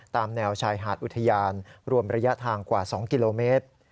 ตามแนวชายหาดอุทยานรวมระยะทางกว่า๒กิโลเมตร